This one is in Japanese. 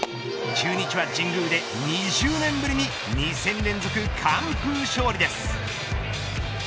中日は神宮で、２０年ぶりに２戦連続完封勝利です。